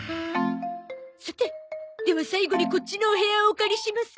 さてでは最後にこっちのお部屋をお借りします。